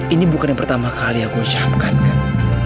ini bukan yang pertama kali aku ucapkan kan